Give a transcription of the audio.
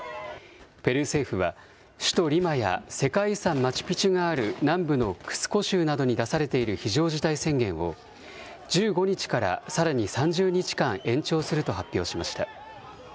ペルー政府は、首都リマや世界遺産マチュピチュがある南部のクスコ州などに出されている非常事態宣言を、１５日からさらに３０日間延長すると発表しました。